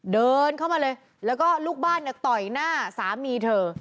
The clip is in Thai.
เดินเข้ามาเลยแล้วก็ลูกบ้านเนี่ยต่อยหน้าสามีเธอ